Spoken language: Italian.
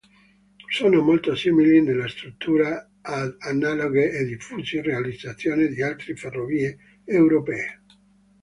Sono molto simili nella struttura ad analoghe e diffuse realizzazioni di altre ferrovie europee.